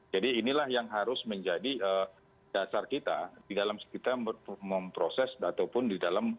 jadi inilah yang harus menjadi dasar kita di dalam kita memproses ataupun di dalam